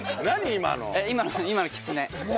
今の今のキツネ。